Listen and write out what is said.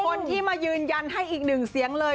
คนที่มายืนยันให้อีกหนึ่งเสียงเลย